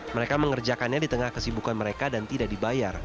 mereka mengerjakannya di tengah kesibukan mereka dan tidak dibayar